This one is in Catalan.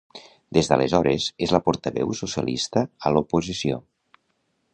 Des d'aleshores és la portaveu socialista a l'oposició.